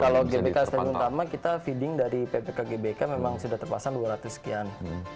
kalau gbk standing utama kita feeding dari ppk gbk memang sudah terpasang dua ratus sekian